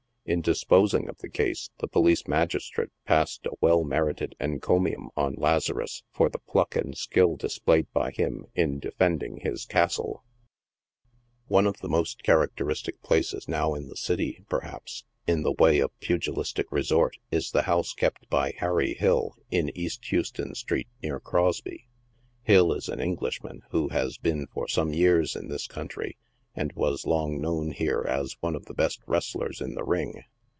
In disposing of the case, the police magistrate passed a well merited encomium on Lazarus for the pluck and skill displayed by him in defending his " castle." One of the most characteristic places now in the city, perhaps, in the way of pugilistic resort, is the house kept by Harry Hill, in East Houston street, near Crosby. Hill is an Englishman, who has been for some years in this country, and was long known here as one of the best wrestlers in the ring.